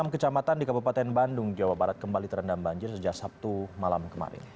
enam kecamatan di kabupaten bandung jawa barat kembali terendam banjir sejak sabtu malam kemarin